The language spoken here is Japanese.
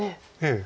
ええ。